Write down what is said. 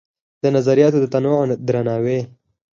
د نظریاتو د تنوع درناوی